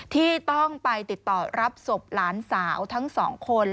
ที่ต้องไปติดต่อรับศพหลานสาวทั้งสองคน